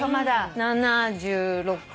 ７６。